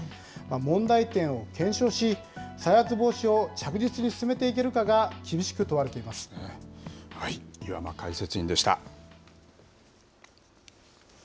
問題点を検証し、再発防止を着実に進めていけるかが厳しく問われ岩間解説委員でした。